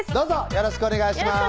よろしくお願いします